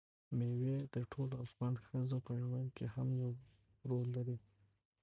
مېوې د ټولو افغان ښځو په ژوند کې هم یو رول لري.